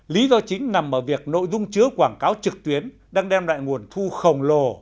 lý do chính nằm ở việc nội dung chứa quảng cáo trực tuyến đang đem lại nguồn thu khổng lồ